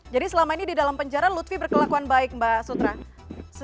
selama ini di dalam penjara lutfi berkelakuan baik mbak sutra